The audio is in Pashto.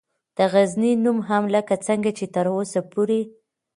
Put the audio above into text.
دغزنی نوم هم لکه څنګه چې تراوسه پورې